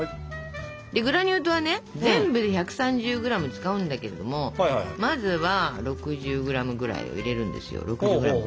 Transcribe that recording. でグラニュー糖はね全部で１３０ｇ使うんだけどもまずは６０ｇぐらいを入れるんですよ。